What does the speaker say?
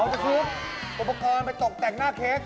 อ๋อลูกปรบกรณ์ไปตกแต่งหน้าเค้ก